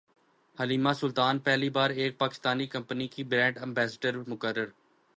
Halima Sultan پہلی بار ایک پاکستانی کمپنی کی برانڈ ایمبیسڈر مقرر